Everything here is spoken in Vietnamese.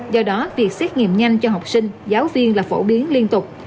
do đó việc xét nghiệm nhanh cho học sinh giáo viên là phổ biến liên tục